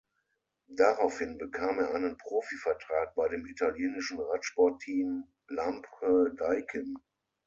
Daraufhin bekam er einen Profivertrag bei dem italienischen Radsportteam Lampre-Daikin.